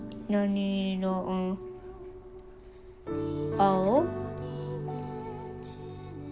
青？